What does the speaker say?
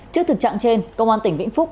trước thực trạng trên công an tỉnh vĩnh phúc